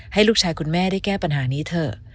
ให้ลูกชายคุณแม่ได้แก้ปัญหานี้เถอะ